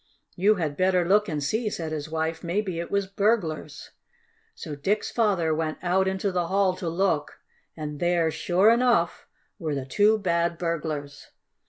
"You had better look and see," said his wife. "Maybe it was burglars." So Dick's father went out into the hall to look, and there, surely enough, were the two bad burglars.